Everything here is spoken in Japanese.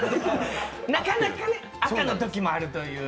なかなかね、赤のときもあるという。